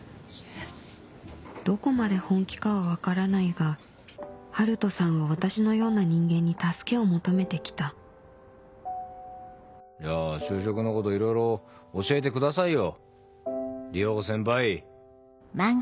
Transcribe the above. どこまで本気かは分からないが春斗さんは私のような人間に助けを求めて来たじゃあ就職のこといろいろ教えて里穂子先輩